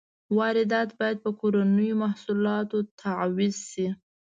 واردات باید په کورنیو محصولاتو تعویض شي.